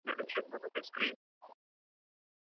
ایا ملي بڼوال ممیز صادروي؟